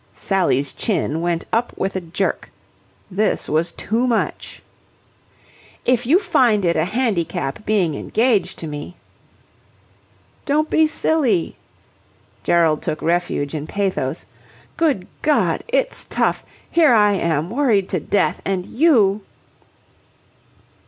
Sally's chin went up with a jerk. This was too much. "If you find it a handicap being engaged to me..." "Don't be silly." Gerald took refuge in pathos. "Good God! It's tough! Here am I, worried to death, and you..."